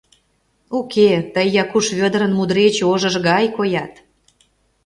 — Уке, тый Якуш Вӧдырын мудреч ожыж гай коят.